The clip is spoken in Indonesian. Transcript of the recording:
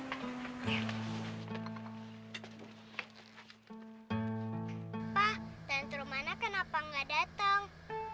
pak tante romana kenapa gak datang